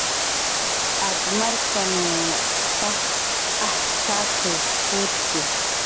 "Ak markan paj ajtz' t""akiw utki"